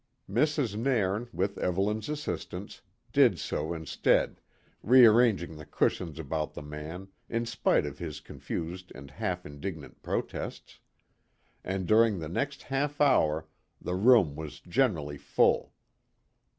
Mrs. Nairn, with Evelyn's assistance, did so instead, rearranging the cushions about the man, in spite of his confused and half indignant protests; and during the next half hour the room was generally full.